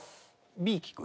Ｂ聞く？